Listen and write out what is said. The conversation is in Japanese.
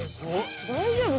大丈夫？